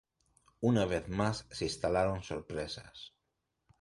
Una vez más, se instalaron sorpresas.